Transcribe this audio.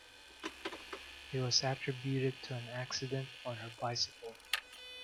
It was attributed to an accident on her bicycle.